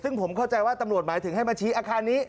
ซึ่งผมเข้าใจว่าตำรวจหมายถึงให้มาชี้อาคารนี้